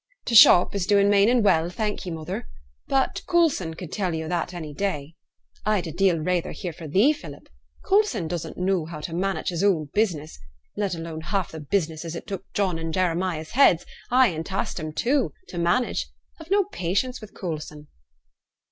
'T' shop is doing main an' well, thank ye, mother. But Coulson could tell yo' o' that any day.' 'I'd a deal rayther hear fra' thee, Philip. Coulson doesn't know how t' manage his own business, let alone half the business as it took John and Jeremiah's heads ay, and tasked 'em, too to manage. I've no patience with Coulson.'